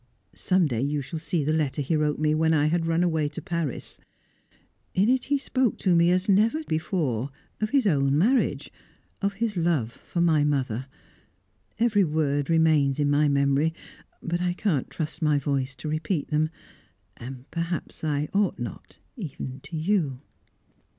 Some day you shall see the letter he wrote me, when I had run away to Paris. In it, he spoke, as never to me before, of his own marriage of his love for my mother. Every word remains in my memory, but I can't trust my voice to repeat them, and perhaps I ought not even to you."